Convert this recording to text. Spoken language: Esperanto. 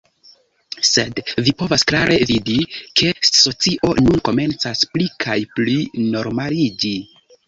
sed vi povas klare vidi, ke socio nun komencas pli kaj pli normaliĝi.